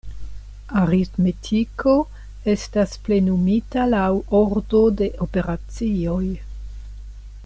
Aritmetiko estas plenumita laŭ ordo de operacioj.